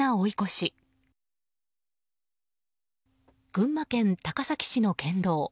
群馬県高崎市の県道。